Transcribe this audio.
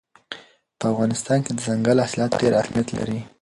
په افغانستان کې دځنګل حاصلات ډېر اهمیت لري.